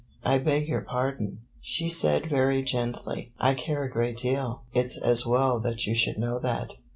"I beg your pardon," she said, very gently; "I care a great deal. It 's as well that you should know that."